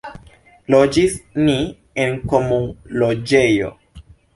Loĝis ni en komunloĝejo.